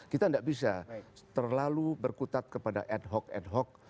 kita tidak bisa terlalu berkutat kepada ad hoc ad hoc